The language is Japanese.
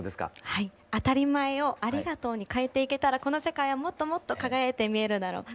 はい当たり前をありがとうに変えていけたらこの世界はもっともっと輝いて見えるだろう